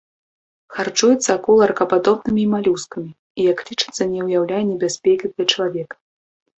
Харчуецца акула ракападобнымі і малюскамі і як лічыцца не ўяўляе небяспекі для чалавека.